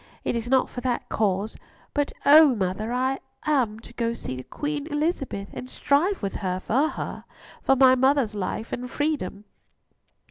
It is not for that cause—but oh! mother, I am to go to see Queen Elizabeth, and strive with her for her—for my mother's life and freedom."